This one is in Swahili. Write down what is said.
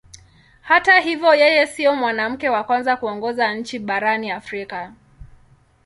Hata hivyo yeye sio mwanamke wa kwanza kuongoza nchi barani Afrika.